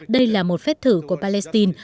đây là một phép thử của palestine